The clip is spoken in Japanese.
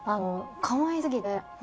かわいすぎてね。